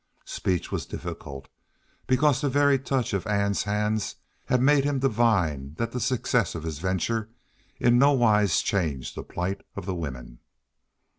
Speech was difficult, because the very touch of Ann's hands had made him divine that the success of his venture in no wise changed the plight of the women.